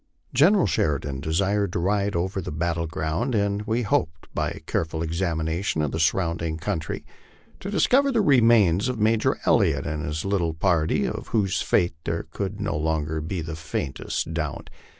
General Sheridan desired to ride over the battle ground, and we hoped by a careful examination of the surrounding country to discover the remains of Major El liott and his little party, of whose fate there could no longer be the faintest doubt.